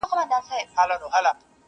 o اه بې خود د اسمان ستوري په لړزه کړي,